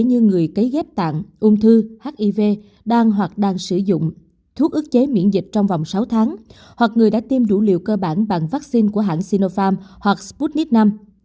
như người cấy ghép tạng ung thư hiv đang hoặc đang sử dụng thuốc ức chế miễn dịch trong vòng sáu tháng hoặc người đã tiêm đủ liều cơ bản bằng vaccine của hãng sinopharm hoặc sputnik v